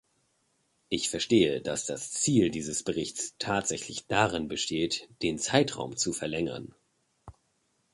Ich verstehe, dass das Ziel dieses Berichts tatsächlich darin besteht, den Zeitraum zu verlängern.